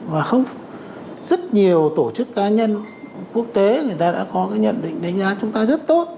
và rất nhiều tổ chức cá nhân quốc tế đã có nhận định đánh giá chúng ta rất tốt